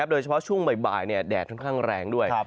โดยเฉพาะช่วงบ่ายแดดค่อนข้างแรงด้วย